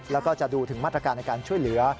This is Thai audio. แล้วก็จะดูถึงมาตรการในการช่วยเหลือ